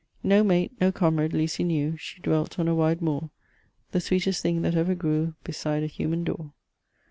"No mate, no comrade Lucy knew; She dwelt on a wide moor; The sweetest thing that ever grew Beside a human door."